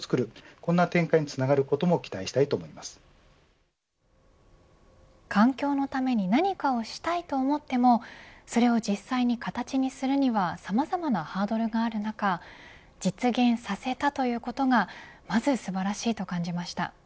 こんな展開につながることも環境のために何かをしたいと思ってもそれを実際に形にするにはさまざまなハードルがある中実現させたということがまず素晴らしいと感じました。